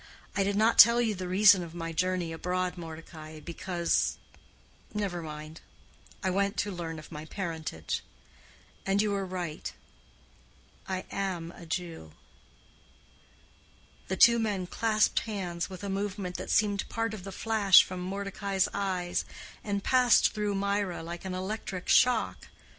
I did not tell you the reason of my journey abroad, Mordecai, because—never mind—I went to learn my parentage. And you were right. I am a Jew." The two men clasped hands with a movement that seemed part of the flash from Mordecai's eyes, and passed through Mirah like an electric shock.